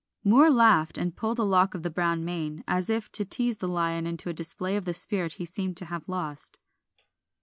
Moor laughed and pulled a lock of the brown mane, as if to tease the lion into a display of the spirit he seemed to have lost.